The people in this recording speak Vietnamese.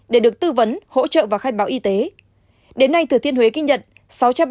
để được tư vấn hỗ trợ và khai báo y tế đến nay thừa thiên huế kinh nhận sáu trăm ba mươi tám ca f